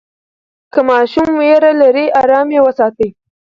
که ماشوم ویره لري، آرام یې وساتئ.